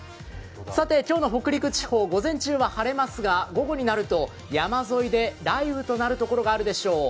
さて今日の北陸地方、午前中は晴れますが午後になると山沿いで雷雨となるところがあるでしょう。